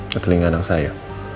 ketelinga anak saya